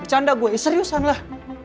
bercanda gue ya seriusan lah